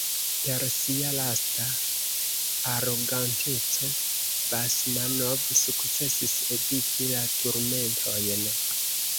Per sia lasta aroganteco Basmanov sukcesis eviti la turmentojn.